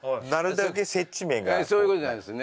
そうそういうことなんですね